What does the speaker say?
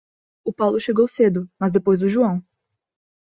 O Paulo chegou cedo, mas depois do João.